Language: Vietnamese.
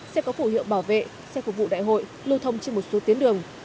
xe có phủ hiệu bảo vệ xe phục vụ đại hội lưu thông trên một số tuyến đường